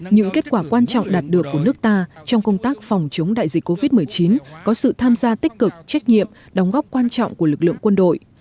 những kết quả quan trọng đạt được của nước ta trong công tác phòng chống đại dịch covid một mươi chín có sự tham gia tích cực trách nhiệm đóng góp quan trọng của lực lượng quân đội